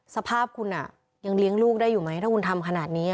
สภาพคุณยังเลี้ยงลูกได้อยู่ไหมถ้าคุณทำขนาดนี้